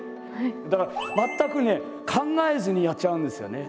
だから全くね考えずにやっちゃうんですよね。